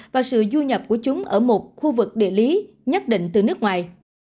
và sự du nhập của chúng ở một khu vực địa lý nhất định từ nước ngoài